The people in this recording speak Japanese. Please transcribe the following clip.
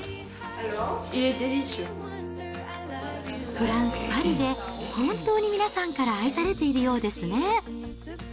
フランス・パリで、本当に皆さんから愛されているようですね。